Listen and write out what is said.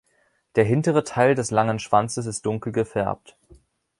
Der hintere Teil des langen Schwanzes ist dunkel gefärbt.